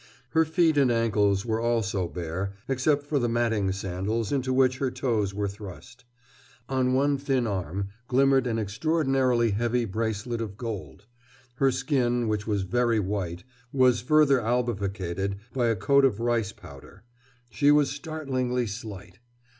Her feet and ankles were also bare, except for the matting sandals into which her toes were thrust. On one thin arm glimmered an extraordinarily heavy bracelet of gold. Her skin, which was very white, was further albificated by a coat of rice powder. She was startlingly slight.